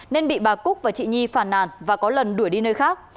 nên bị bà cúc và chị nhi phàn nàn và có lần đuổi đi nơi khác